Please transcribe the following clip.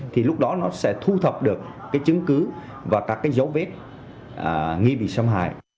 thì lúc đó nó sẽ thu thập được cái chứng cứ và các cái dấu vết nghi bị xâm hại